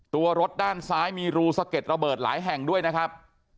ตัวรถด้านซ้ายมีรูสะเก็ดระเบิดหลายแห่งด้วยนะครับ